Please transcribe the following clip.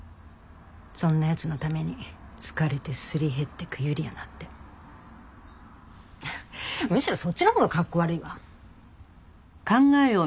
そんな奴のために疲れてすり減ってくゆりあなんて。むしろそっちのほうがカッコ悪いわ。